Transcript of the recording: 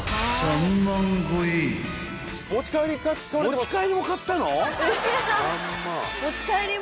持ち帰りも買ったの！？